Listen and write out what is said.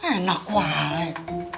eh enak sekali